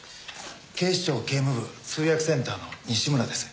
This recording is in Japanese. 警視庁警務部通訳センターの西村です。